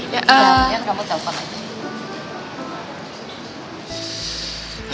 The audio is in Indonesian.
iyan kamu telfon aja